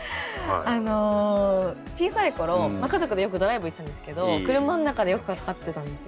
あの小さいころ家族でよくドライブ行ってたんですけど車の中でよくかかってたんですよね。